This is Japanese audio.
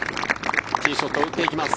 ティーショットを打っていきます。